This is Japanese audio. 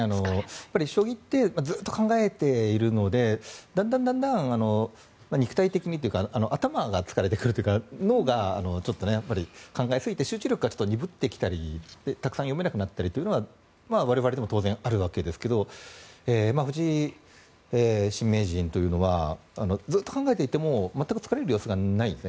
やっぱり将棋ってずっと考えているのでだんだん肉体的にというか頭が疲れてくるというか脳が考えすぎて集中力が鈍ってきたりたくさん読めなくなったりというのは我々でも当然あるわけですが藤井新名人というのはずっと考えていても全く疲れる様子がないんです。